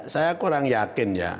saya kurang yakin ya